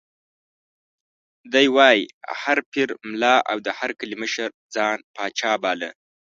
دی وایي: هر پیر، ملا او د هر کلي مشر ځان پاچا باله.